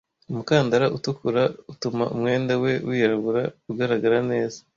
Umukandara utukura utuma umwenda we wirabura ugaragara neza.